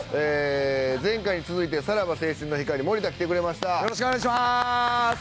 前回に続いてさらば青春の光・森田来てくれました。